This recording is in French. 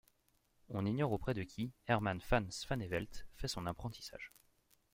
On ignore auprès de qui Herman van Swanevelt fait son apprentissage.